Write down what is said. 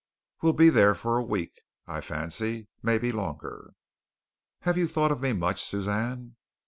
We'll be there for a week, I fancy. Maybe longer." "Have you thought of me much, Suzanne?"